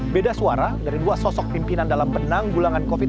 beda suara dari dua sosok pimpinan dalam benang gulangan covid sembilan belas